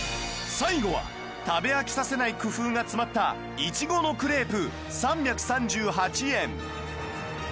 最後は食べ飽きさせない工夫が詰まったいちごのクレープ３３８円